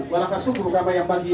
walaka syukur kama yang bagi